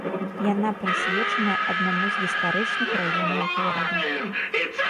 Яна прысвечаная аднаму з гістарычных раёнаў горада.